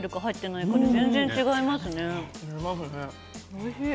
おいしい！